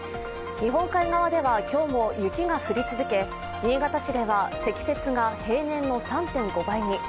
日本海側では今日も雪が降り続け、新潟市では積雪が平年の３．５倍に。